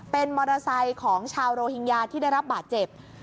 เป็นมอเตอร์ไซค์ของชาวโรฮิงญาที่ได้รับบาดเจ็บ